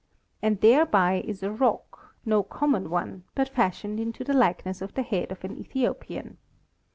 And thereby is a rock, no common one, but fashioned into the likeness of the head of an Ethiopian.